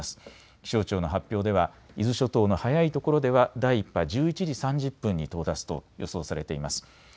気象庁の発表では伊豆諸島の早いところでは第１波、１１時３０分に到達と予想されています。